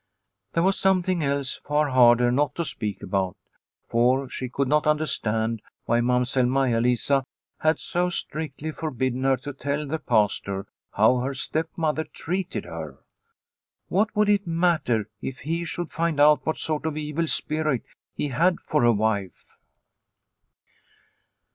There was something else far harder not to speak about, for she could not understand why Mamsell Maia Lisa had so strictly for bidden her to tell the Pastor how her stepmother treated her. What would it matter if he should find out what sort of evil spirit he had for a wife